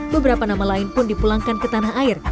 beberapa nama lain pun dipulangkan ke tanah air